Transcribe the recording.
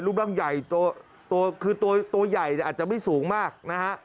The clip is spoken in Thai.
รูปร่างใหญ่ตัวใหญ่อาจจะไม่สูงมากนะคะ